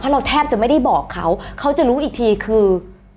เราแทบจะไม่ได้บอกเขาเขาจะรู้อีกทีคือ